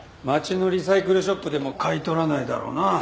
町のリサイクルショップでも買い取らないだろうな。